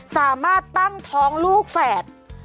สามารถตั้งท้องลูกแฝด